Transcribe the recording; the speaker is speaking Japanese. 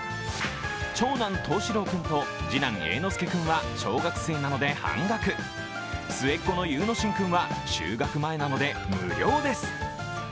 長男、統士郎君と次男、栄之介君は小学生なので半額、末っ子の悠乃進君は就学前なので無料です。